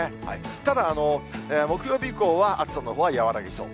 ただ、木曜日以降は暑さのほうは和らぎそう。